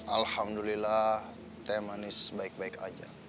alhamdulillah saya manis baik baik aja